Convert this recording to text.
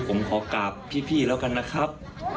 ผมขอกราบพี่แล้วกันนะครับ